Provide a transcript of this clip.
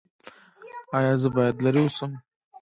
ایا زه باید لرې اوسم؟